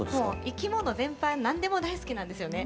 生き物全般何でも大好きなんですよね。